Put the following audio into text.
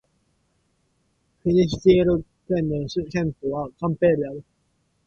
フィニステール県の県都はカンペールである